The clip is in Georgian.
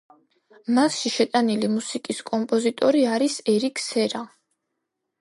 მასში შეტანილი მუსიკის კომპოზიტორი არის ერიკ სერა.